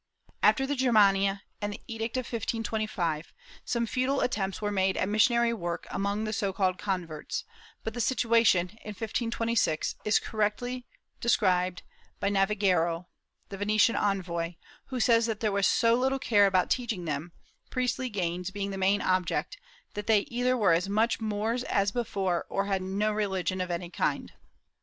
After the Germania and the edict of 1525, some futile attempts were made at missionary work among the so called converts, but the situation, in 1526, is correctly described by Navigero, the Venetian envoy, who says that there was so little care about teaching them, priestly gains being the main object, that they either were as much Moors as before or had no religion of any kind.'